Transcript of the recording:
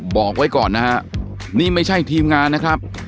บอกไว้ก่อนนะฮะนี่ไม่ใช่ทีมงานนะครับ